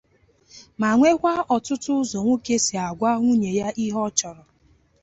ma nwekwa ọtụtụ ụzọ nwoke si agwa nwunye ya ihe ọ chọrọ.